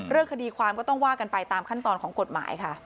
เรื่องคดีความก็ต้องว่ากันไปตามขั้นตอนของกฎหมายค่ะ